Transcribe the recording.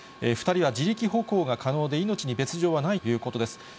２人は自力歩行が可能で、命に別状はないということです。